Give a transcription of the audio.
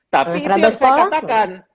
tapi itu yang saya katakan